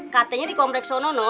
katanya di kompleks sono